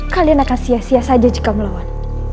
kalian akan sia sia saja jika melawan